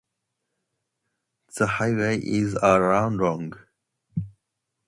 The highway is around long.